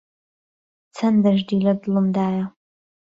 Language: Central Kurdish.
چهن دهردی له دڵم دایه